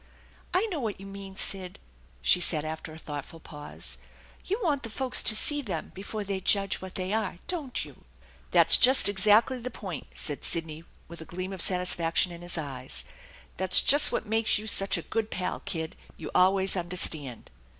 " I know what you mean, Sid/' she said after a thoughtful pause. " You want the folks to see them before they judge what they are, don't you? "" That's just exactly the point," said Sidney with a glean of satisfaction in his eyes. " That's just what makes you such a good pal, kid. You always understand."